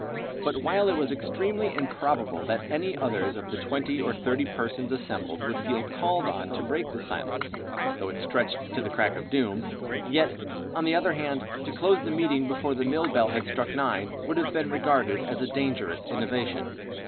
But while it was extremely improbable that any others of the twenty or thirty persons assembled would feel called on to break the silence, though it stretched to the crack of doom, yet, on the other hand, to close the meeting before the mill bell had struck nine would have been regarded as a dangerous innovation.